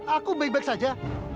aku baik baik saja